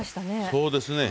そうですね。